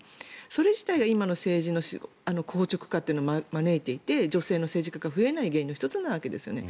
それ自体が今の政治の硬直化というのを招いていて、女性の政治家が増えない原因の１つなわけですよね。